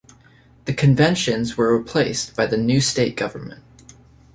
The Conventions were replaced by the new state government.